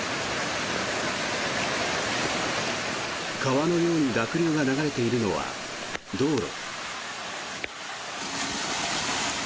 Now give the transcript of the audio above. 川のように濁流が流れているのは道路。